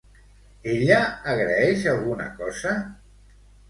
Ella agraeix alguna cosa?